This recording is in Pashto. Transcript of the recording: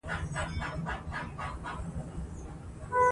خو خلک د سپوږمۍ ښايست ته ګوته په خوله دي